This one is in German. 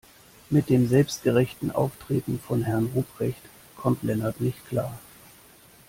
Mit dem selbstgerechten Auftreten von Herrn Ruprecht kommt Lennart nicht klar.